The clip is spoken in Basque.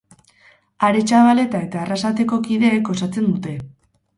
Aretxabaleta eta Arrasateko kideek osatzen dute.